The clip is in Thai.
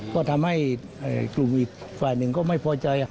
ก็ทำให้กลุ่มอีกฝ่ายหนึ่งก็ไม่พอใจ